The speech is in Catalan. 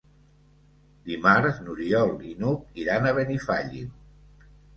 Dimarts n'Oriol i n'Hug iran a Benifallim.